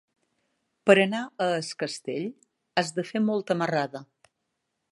Per anar a Es Castell has de fer molta marrada.